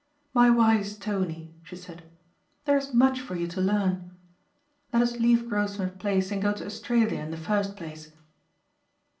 "My wise Tony," she said, "there is much for you to learn. Let us leave Grosvenor Place and go to Australia in the first place."